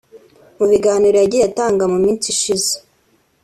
Mu biganiro yagiye atanga mu minsi ishize